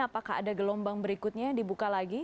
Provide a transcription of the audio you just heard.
apakah ada gelombang berikutnya dibuka lagi